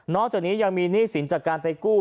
นอกจากนี้ยังมีหนี้ศิลป์จากการไปกู้